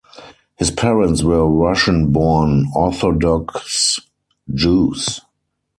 His parents were Russian-born Orthodox Jews.